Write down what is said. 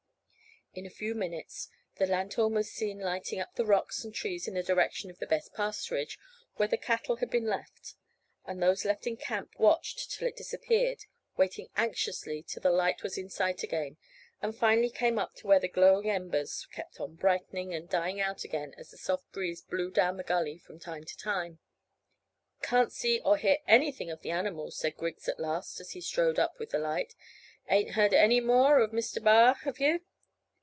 '" In a few minutes the lanthorn was seen lighting up the rocks and trees in the direction of the best pasturage, where the cattle had been left; and those left in camp watched till it disappeared, waiting anxiously till the light was in sight again, and finally came up to where the glowing embers kept on brightening and dying out again as the soft breeze blew down the gully from time to time. "Can't see or hear anything of the animals," said Griggs, at last, as he strode up with the light. "Ain't heard any more of Mr B'ar, have you?"